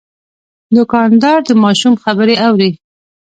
دوکاندار د ماشومانو خبرې اوري.